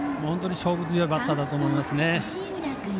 本当に勝負強いバッターだと思います。